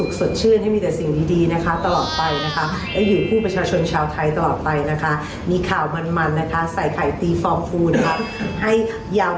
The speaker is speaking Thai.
ขอพักก่อนนะคะโอเคพักกันสักครู่จะกลับมากับข่าวใส่ไข่ค่ะ